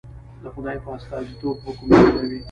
د خدای په استازیتوب حکم چلوي.